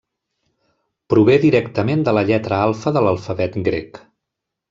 Prové directament de la lletra alfa de l'alfabet grec.